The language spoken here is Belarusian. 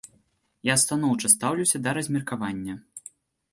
Я станоўча стаўлюся да размеркавання.